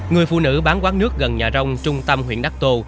người phụ nữ bán quán nước gần nhà rông trung tâm huyện đắc tô